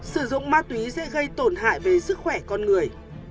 sử dụng ma túy sẽ gây tổn hại về sức khỏe con người